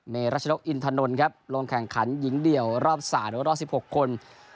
เมรัชนกฮอินทนนครับลงแข่งขันหญิงเดี่ยวรอบสารรอบ๑๖คน